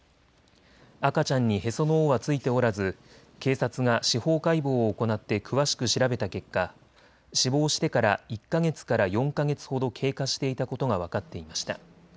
赤ちゃんにへその緒はついておらず警察が司法解剖を行って詳しく調べた結果、死亡してから１か月から４か月ほど経過していたことが分かっていました。